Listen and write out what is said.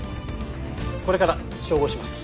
これから照合します。